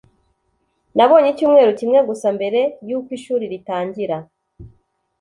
Nabonye icyumweru kimwe gusa mbere yuko ishuri ritangira.